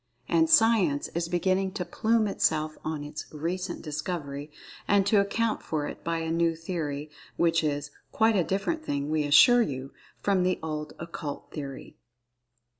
And Science is beginning to plume itself on its "recent discovery," and to account for it by a new theory, which is "quite a different thing, we assure you," from the old Occult Theory.